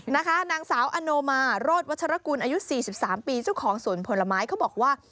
นางสาวอโนมาโรธวัชรกุลอายุ๔๓ปีเจ้าของสวนผลไม้เขาบอกว่า